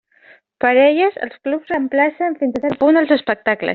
Per a elles, els clubs reemplacen fins a cert punt els espectacles.